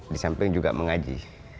disamping juga mengaji